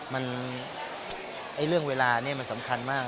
มันเรื่องเวลานี้มันสำคัญมาก